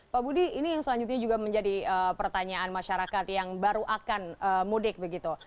pak budi ini yang selanjutnya juga menjadi pertanyaan masyarakat yang baru akan mudik begitu